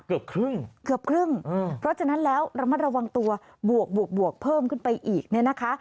เกือบครึ่งเกือบครึ่งเพราะฉะนั้นแล้วระมัดระวังตัวบวกบวกบวกเพิ่มขึ้นไปอีกเนี่ยนะคะ